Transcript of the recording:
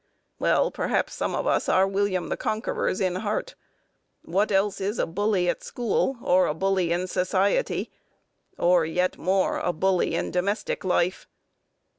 Well, perhaps some of us are William the Conquerors in heart; what else is a bully at school, or a bully in society, or, yet more, a bully in domestic life?